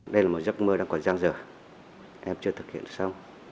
đây là một giấc mơ đang còn giang dở em chưa thực hiện xong